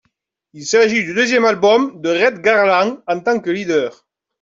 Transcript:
Il s'agit du deuxième album de Red Garland en tant que leader.